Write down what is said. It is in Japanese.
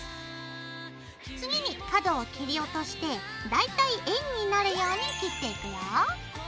次に角を切り落として大体円になるように切っていくよ。